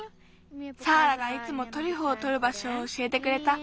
サーラがいつもトリュフをとるばしょをおしえてくれた。